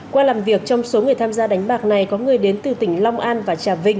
qua làm việc trong số người tham gia đánh bạc này có người đến từ tỉnh long an và trà vinh